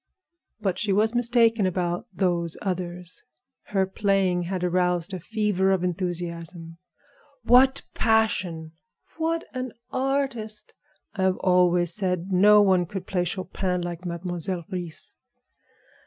But she was mistaken about "those others." Her playing had aroused a fever of enthusiasm. "What passion!" "What an artist!" "I have always said no one could play Chopin like Mademoiselle Reisz!"